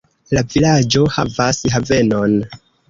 La vilaĝo havas havenon.